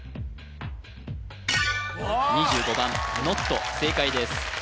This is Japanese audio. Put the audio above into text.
２５番ノット正解です